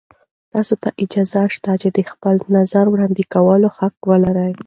تاسې ته اجازه شته چې د خپل نظر وړاندې کولو حق ولرئ.